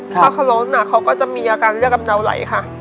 ถ้าเขาร้อนเขาก็จะมีอาการเรียกกำเดาไหลค่ะ